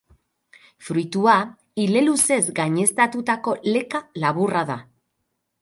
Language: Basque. Fruitua, ile luzez gaineztatutako leka laburra da.